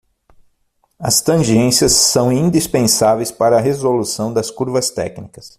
As tangências são indispensáveis para a resolução das curvas técnicas.